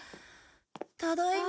ただいま。